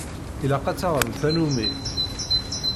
Ilaq ad taɣem tanumi.